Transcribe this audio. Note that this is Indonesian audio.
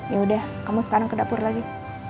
yaudah kamu sekarang ke dapur lagi